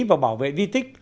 và bảo vệ di tích